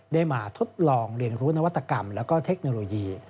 ได้มาทดลองเรียนรู้นวัตกรรมและเทคโนโลยี